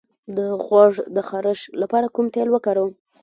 د غوږ د خارش لپاره کوم تېل وکاروم؟